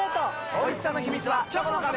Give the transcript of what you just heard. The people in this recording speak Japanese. おいしさの秘密はチョコの壁！